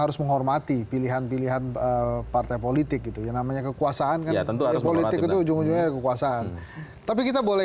harus menghormati pilihan pilihan partai politik itu namanya kekuasaan kekuasaan tapi kita boleh